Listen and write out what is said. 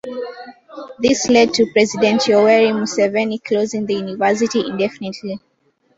This led to President Yoweri Museveni closing the university "indefinitely".